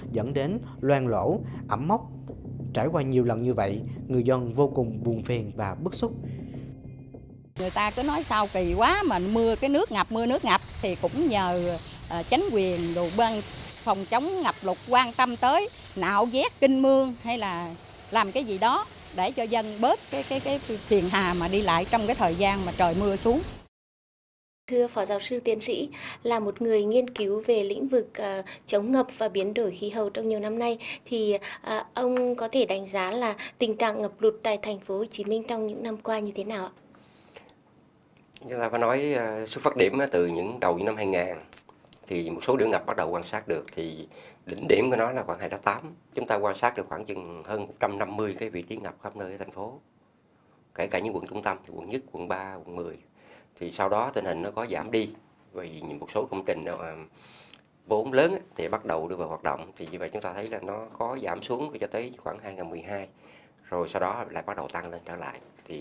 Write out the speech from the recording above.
vì vậy chúng ta thấy nó có giảm xuống cho tới khoảng hai nghìn một mươi hai rồi sau đó lại bắt đầu tăng lên trở lại